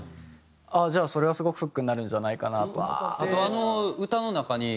じゃあそれはすごくフックになるんじゃないかなと思って。